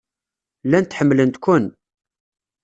Llant ḥemmlent-ken.